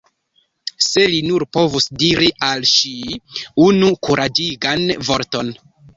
Se li nur povus diri al ŝi unu kuraĝigan vorton!